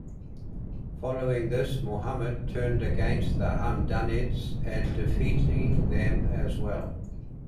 Following this, Muhammad turned against the Hamdanids and defeating them as well.